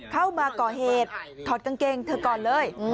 เข้ามาก่อเหตุถอดกางเกงเธอก่อนเลย